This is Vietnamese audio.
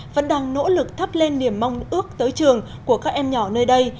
vẫn đang nỗ lực thắp lên niềm mong ước tới trường của các em nhỏ nơi đây